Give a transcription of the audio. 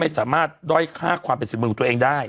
สามารถด้อยค่าความเป็นฝีมือของตัวเองได้